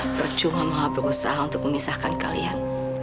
percuma berusaha untuk memisahkan kalian